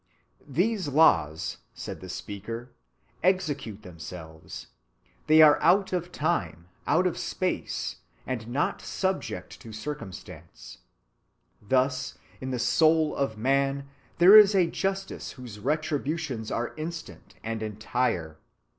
"These laws," said the speaker, "execute themselves. They are out of time, out of space, and not subject to circumstance: Thus, in the soul of man there is a justice whose retributions are instant and entire.